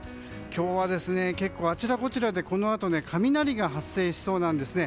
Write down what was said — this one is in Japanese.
今日は結構あちらこちらで、このあと雷が発生しそうなんですね。